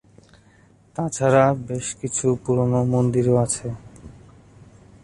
তাছাড়া বেশ কিছু পুরানো মন্দির ও আছে।